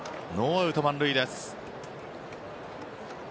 ノーアウト満塁です。